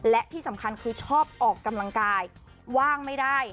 และที่สำคัญคือชอบออกกำลังกายว่างไม่ได้